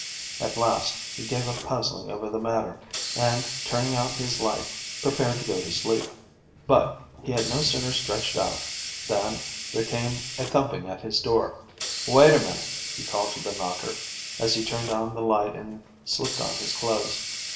At last he gave up puzzling over the matter, and turning out his light, prepared to go to sleep; but, he had no sooner stretched out, than there came a thumping at his door. "Wait a minute," he called to the knocker, as he turned on the light and slipped on his clothes.